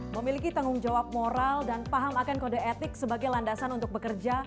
memiliki tanggung jawab moral dan paham akan kode etik sebagai landasan untuk bekerja